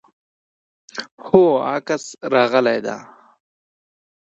هو، عکس راغلی دی